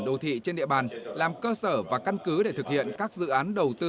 đô thị trên địa bàn làm cơ sở và căn cứ để thực hiện các dự án đầu tư